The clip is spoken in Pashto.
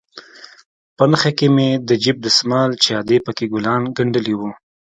په نخښه کښې مې د جيب دسمال چې ادې پکښې ګلان گنډلي وو.